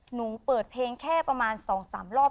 หนูเปิดเพลงแค่ประมาณ๒๓รอบ